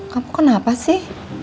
kamu kenapa sih